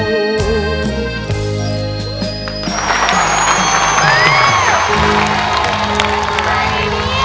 แค่นี้